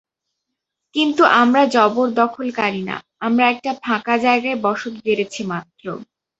কিন্তু আমরা জবর-দখলকারী না, আমরা একটা ফাঁকা জায়গায় বসত গেড়েছি মাত্র।